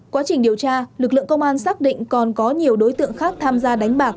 quá trình điều tra lực lượng công an xác định còn có nhiều đối tượng khác tham gia đánh bạc